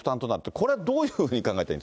これ、どういうふうに考えたらい